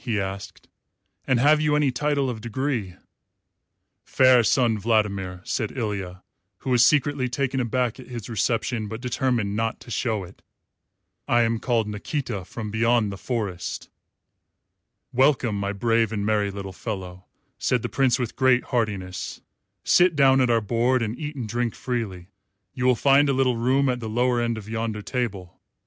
he asked; "and have you any title of degree?" "Fair Sun Vladimir," said Ilya, who was secretly taken aback at his reception, but determined not to show it, "I am called Nikita from beyond the Forest." "Welcome, my brave and merry little fellow," said the Prince with great heartiness; "sit down at our board and eat and drink freely. You will find a little room at the lower end of yonder table.